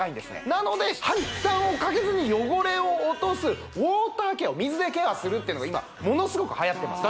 なので歯に負担をかけずに汚れを落とすウォーターケア水でケアするっていうのが今ものすごくはやってます